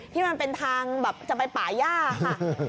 ที่มันเป็นทางแบบจะไปป่าย่าค่ะ